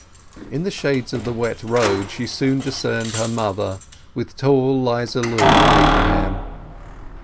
In the shades of the wet road she soon discerned her mother with tall 'Liza Lu and Abraham.